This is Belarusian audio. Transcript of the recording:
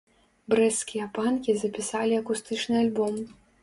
Брэсцкія панкі запісалі акустычны альбом.